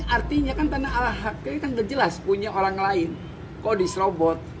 artinya kan tanah ala hakir kan terjelas punya orang lain kodis robot